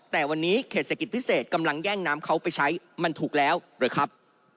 แต่วันนี้เขตเศรษฐกิจพิเศษกำลังแย่งน้ำเขาไปใช้มันถูกแล้วหรือครับ